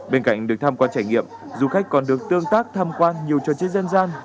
bên cạnh được tham quan trải nghiệm du khách còn được tương tác tham quan nhiều trò chơi dân gian